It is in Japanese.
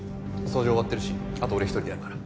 掃除終わってるしあと俺一人でやるから。